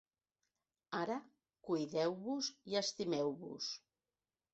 Ara, cuideu-vos i estimeu-vos.